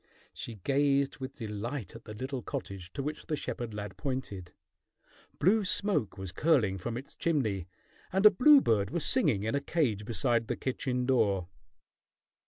She gazed with delight at the little cottage to which the shepherd lad pointed. Blue smoke was curling from its chimney, and a bluebird was singing in a cage beside the kitchen door.